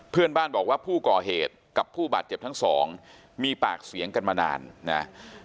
เพื่อนบ้านบอกว่าผู้ก่อเหตุกับผู้บาดเจ็บทั้งสองมีปากเสียงกันมานานนะ